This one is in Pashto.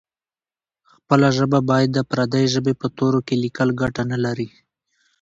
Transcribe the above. خپله ژبه باید د پردۍ ژبې په تورو کې لیکل ګټه نه لري.